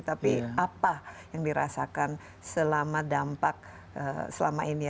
tapi apa yang dirasakan selama dampak selama ini